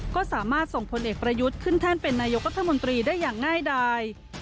ก็สามารถส่งผลเอกประยุทธ์ขึ้นแท่นเป็นนายกรัฐมนตรีได้อย่างง่ายดาย